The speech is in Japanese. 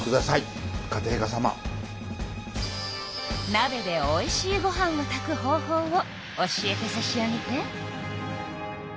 なべでおいしいご飯を炊く方法を教えてさしあげて。